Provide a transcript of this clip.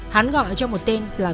hắn gọi cho một tên là